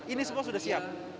ini semua sudah siap